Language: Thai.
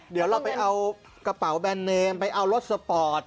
เดี๋ยวเราไปเอากระเป๋าแบรนดเนมไปเอารถสปอร์ต